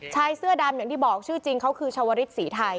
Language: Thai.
ชายเสื้อดำอย่างที่บอกชื่อจริงเขาคือชาวริสศรีไทย